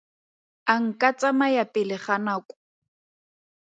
A nka tsamaya pele ga nako?